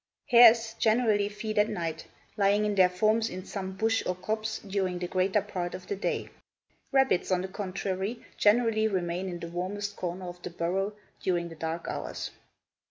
Hares generally feed at night, lying in their forms in some bush or copse during the greater part of the day; rabbits, on the contrary, generally remain in the warmest corner of the burrow during the dark hours.